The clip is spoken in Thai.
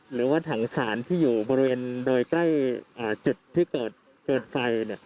หรือว่าถังสารที่อยู่บริเวณโดยใกล้จุดที่เกิดไฟ